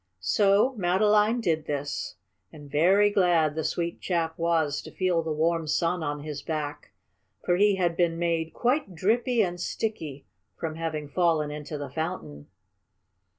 So Madeline did this, and very glad the sweet chap was to feel the warm sun on his back, for he had been made quite drippy and sticky by having fallen into the fountain.